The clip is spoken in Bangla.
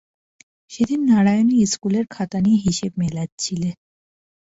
সেদিন নারায়ণী ইস্কুলের খাতা নিয়ে হিসেব মেলাচ্ছিলে।